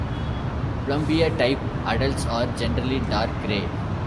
"Plumbea"-type adults are generally dark gray.